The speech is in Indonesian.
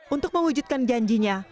untuk mewujudkan janjinya